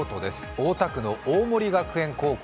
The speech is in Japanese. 大田区の大森学園高校。